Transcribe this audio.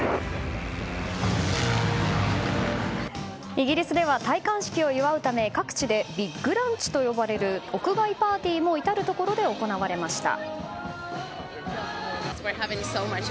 イギリスでは戴冠式を祝うため各地でビッグランチと呼ばれる屋外パーティーも至るところで行われました。